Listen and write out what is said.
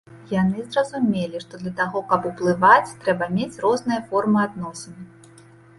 Яны зразумелі, што для таго, каб уплываць, трэба мець розныя формы адносін.